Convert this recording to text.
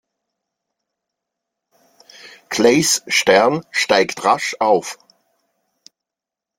Clays Stern steigt rasch auf.